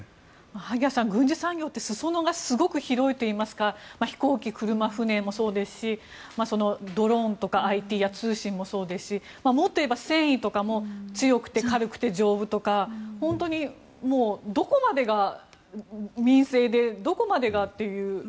萩谷さん、軍需産業ってすそ野が広いといいますか飛行機もそうですしドローンとかＩＴや通信もそうですしもっと言えば戦意とかも強くて軽くて丈夫とか本当にどこまでが民生でどこまでがっていう。